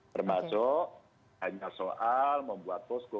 termasuk hanya soal membuat posko